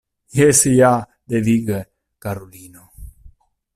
Jes ja, devige, karulino.